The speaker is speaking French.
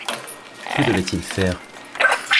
Que devaient-ils faire ?